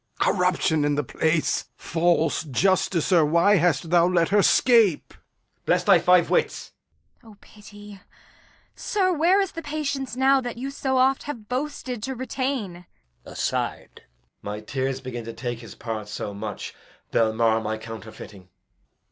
Corruption in the place! False justicer, why hast thou let her scape? Edg. Bless thy five wits! Kent. O pity! Sir, where is the patience now That you so oft have boasted to retain? Edg. [aside] My tears begin to take his part so much They'll mar my counterfeiting.